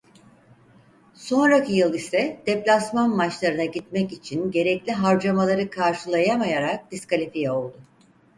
Sonraki yıl ise deplasman maçlarına gitmek için gerekli harcamaları karşılayamayarak diskalifiye oldu.